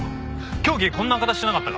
凶器こんな形してなかったか？